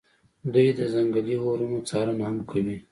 دوی د ځنګلي اورونو څارنه هم کوي